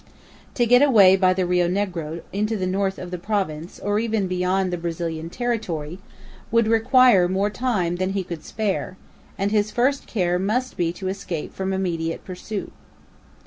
To get away by the Rio Negro into the north of the province, or even beyond the Brazilian territory, would require more time than he could spare, and his first care must be to escape from immediate pursuit.